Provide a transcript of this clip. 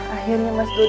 akhirnya mas dudi datang